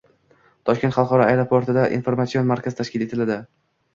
“Toshkent xalqaro aeroporti”da “Informatsion markaz” tashkil etildi